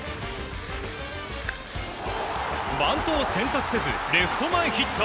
バントを選択せずレフト前ヒット。